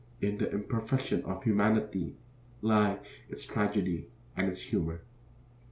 In the imperfection of humanity lie its tragedy and its humor.